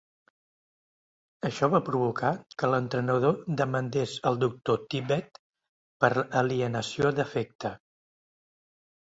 Això va provocar que l'entrenador demandés al doctor Tibbett per alienació d'afecte.